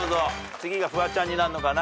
次がフワちゃんになんのかな。